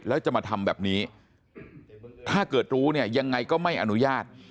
แล้วจะมาทำแบบนี้ถ้าเกิดรู้เนี่ยยังไงก็ไม่อนุญาต